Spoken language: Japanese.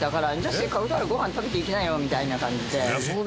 せっかくだからご飯食べていきなよみたいな感じで。